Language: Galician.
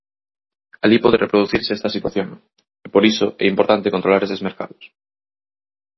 Alí pode reproducirse esta situación, e por iso é importante controlar eses mercados.